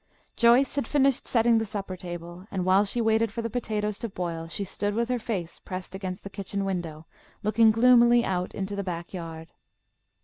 Joyce had finished setting the supper table, and while she waited for the potatoes to boil she stood with her face pressed against the kitchen window, looking gloomily out into the back yard.